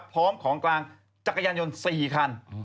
พร้อมของกลางจักรยานยนต์๔คัน